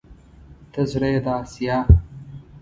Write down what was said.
ته زړه يې د اسيا